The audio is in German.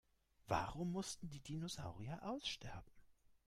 Warum mussten die Dinosaurier aussterben?